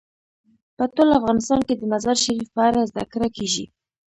په ټول افغانستان کې د مزارشریف په اړه زده کړه کېږي.